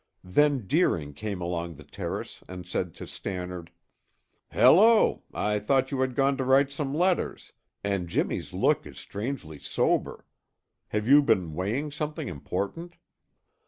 Then Deering came along the terrace and said to Stannard, "Hello! I thought you had gone to write some letters, and Jimmy's look is strangely sober. Have you been weighing something important?"